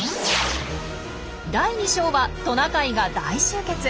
第２章はトナカイが大集結！